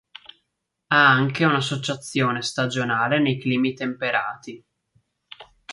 Ha anche un'associazione stagionale nei climi temperati.